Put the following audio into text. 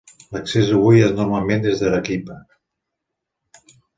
L'accés avui és normalment des d'Arequipa.